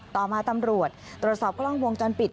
ต่อมาตำรวจตรวจสอบกล้องวงจรปิด